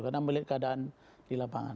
karena melihat keadaan di lapangan